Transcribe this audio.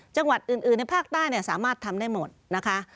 จังหวัดอื่นในภาคใต้สามารถทำได้หมดนะคะ